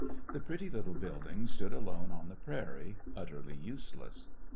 The pretty little building stood alone on the prairie, ut terly useless.